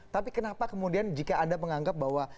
tapi kenapa kemudian jika anda menganggap bahwa